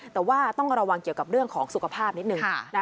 แต่ว่าต้องระวังเกี่ยวกับเรื่องของสุขภาพนิดนึง